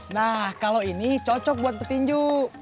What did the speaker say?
nah kalau ini cocok buat petinju